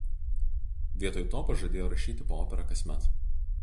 Vietoj to pažadėjo rašyti po operą kasmet.